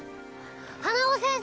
花輪先生